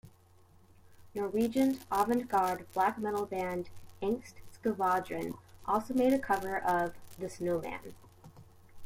Norwegian avant-garde black metal band, Angst Skvadron, also made a cover of "The Snowman".